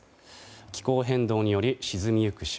気候変動により沈みゆく島。